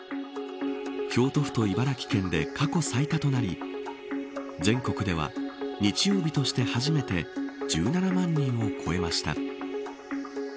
京都府と茨城県で過去最多となり全国では日曜日として初めて１７万人を超えました。